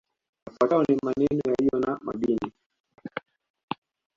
Yafuatayo ni maeneo yaliyo na madini